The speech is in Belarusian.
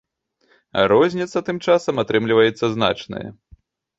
А розніца, тым часам, атрымліваецца значная.